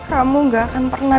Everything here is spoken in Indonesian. kamu gak akan pernah